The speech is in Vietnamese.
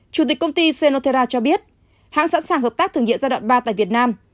chủ tịch công ty cenotera cho biết hãng sẵn sàng hợp tác thử nghiệm giai đoạn ba tại việt nam